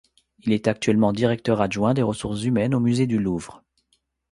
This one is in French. Il est actuellement directeur adjoint des ressources humaines au musée du Louvre.